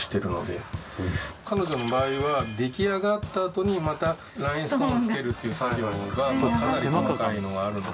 彼女の場合は出来上がったあとにまたラインストーンを付けるっていう作業がかなり細かいのがあるので。